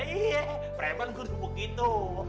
iya preman guru begitu